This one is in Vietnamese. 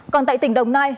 còn tại tỉnh đồng nai